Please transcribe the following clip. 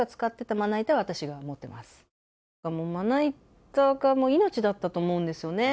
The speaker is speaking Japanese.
まな板が、もう命だったと思うんですよね。